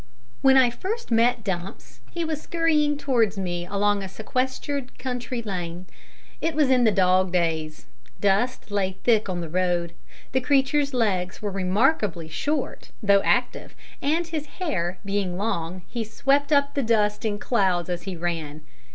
When I first met Dumps he was scurrying towards me along a sequestered country lane. It was in the Dog Days. Dust lay thick on the road; the creature's legs were remarkably short though active, and his hair being long he swept up the dust in clouds as he ran.